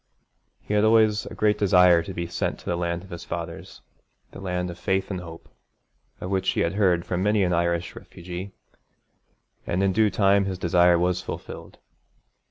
He had always a great desire to be sent to the land of his fathers, the land of faith and hope, of which he had heard from many an Irish refugee, and in due time his desire was fulfilled.